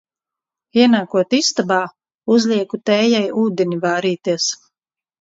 Ienākot istabā, uzlieku tējai ūdeni vārīties.